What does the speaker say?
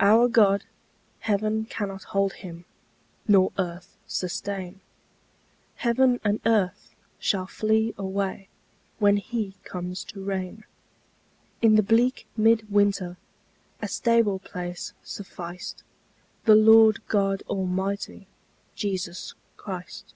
Our God, heaven cannot hold Him, Nor earth sustain; Heaven and earth shall flee away When He comes to reign: In the bleak mid winter A stable place sufficed The Lord God Almighty, Jesus Christ.